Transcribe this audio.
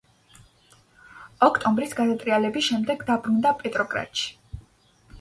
ოქტომბრის გადატრიალების შემდეგ დაბრუნდა პეტროგრადში.